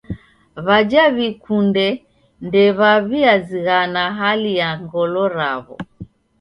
W'aja w'ikunde ndew'aw'iazighana hali ya ngolo raw'o.